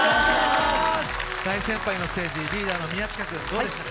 大先輩のステージ、リーダーの宮近君、どうでした？